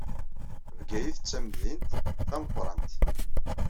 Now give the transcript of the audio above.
Bgayet d tamdint tameqqṛant.